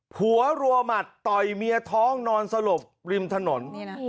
หัวรัวหมัดต่อยเมียท้องนอนสลบริมถนน